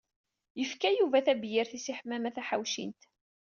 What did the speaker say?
Yefka Yuba tabyirt-is i Ḥemmama Taḥawcint.